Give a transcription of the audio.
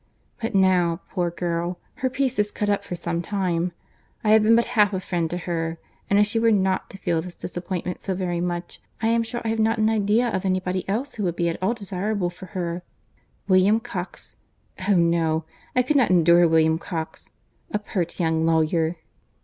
But now, poor girl, her peace is cut up for some time. I have been but half a friend to her; and if she were not to feel this disappointment so very much, I am sure I have not an idea of any body else who would be at all desirable for her;—William Coxe—Oh! no, I could not endure William Coxe—a pert young lawyer."